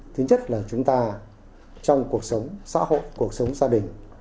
thứ nhất là chúng ta trong cuộc sống xã hội cuộc sống gia đình